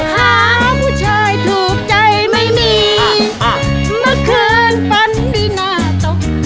หาผู้ชายถูกใจไม่มีมาเคิลปันดีหน่าตกใจ